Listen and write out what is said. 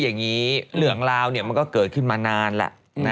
ล๋วยังงี้เรืองราวมันก็เกิดขึ้นมานานแล้วนะ